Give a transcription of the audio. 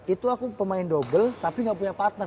itu aku pemain dobel tapi gak punya partner